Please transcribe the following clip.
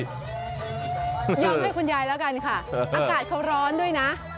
ยอมให้คุณยายแล้วกันค่ะอากาศเขาร้อนด้วยนะ